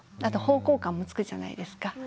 あと方向感もつくじゃないですか。